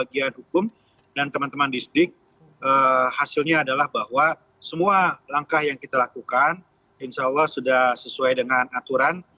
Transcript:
bagian hukum dan teman teman disdik hasilnya adalah bahwa semua langkah yang kita lakukan insya allah sudah sesuai dengan aturan